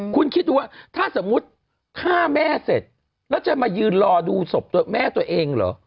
คุณคิดดูว่าถ้าสมมุติฆ่าแม่เสร็จแล้วจะมายืนรอดูศพแม่ตัวเองเหรอ